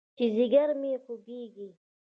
چې ځيگر مې خوږېږي.